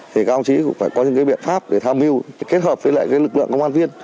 thì các ông trí cũng phải có những cái biện pháp để tham mưu kết hợp với lại cái lực lượng công an viên